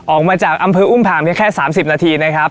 ออกมาจากอำเภออุ้มผ่างเพียงแค่๓๐นาทีนะครับ